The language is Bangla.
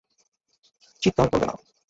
চিৎকার করবে না।